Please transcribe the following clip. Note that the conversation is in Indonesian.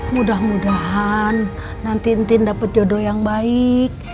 mudah mudahan nanti entin dapat jodoh yang baik